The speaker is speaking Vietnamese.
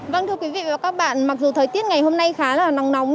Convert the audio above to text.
vâng thưa quý vị và các bạn mặc dù thời tiết ngày hôm nay khá là nắng nóng